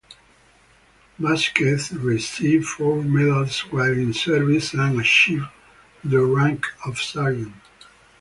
Vasquez received four medals while in service and achieved the rank of sergeant.